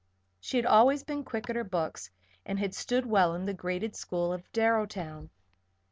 She had always been quick at her books, and had stood well in the graded school of Darrowtown.